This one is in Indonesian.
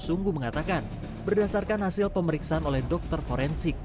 sungguh mengatakan berdasarkan hasil pemeriksaan oleh dokter forensik